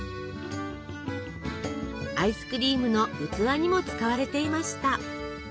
アイスクリームの器にも使われていました。